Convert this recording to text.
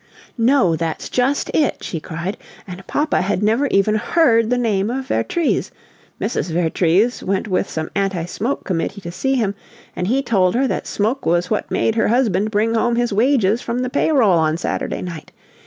"No, that's just it!" she cried. "And papa had never even heard the name of Vertrees! Mrs. Vertrees went with some anti smoke committee to see him, and he told her that smoke was what made her husband bring home his wages from the pay roll on Saturday night!